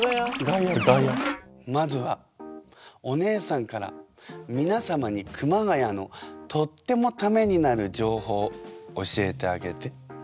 まずはお姉さんからみなさまに熊谷のとってもタメになる情報教えてあげて。